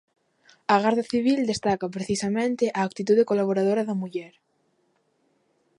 A Garda Civil destaca precisamente a actitude colaboradora da muller.